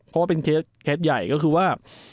เพราะว่าเป็นเคสใหญ่ก็คือว่า